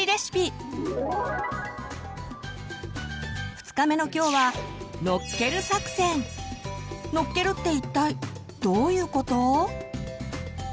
２日目のきょうはのっけるって一体どういうこと？